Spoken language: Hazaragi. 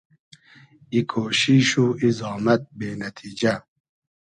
ای کۉشیش و ای زامئد بې نئتیجۂ